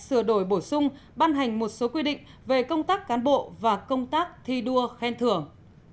sửa đổi bổ sung ban hành một số quy định về công tác cán bộ và công tác thi đua khen thưởng